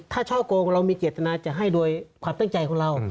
ถ้าช่อกงเรามีเจตนาจะให้โดยความตั้งใจของเรา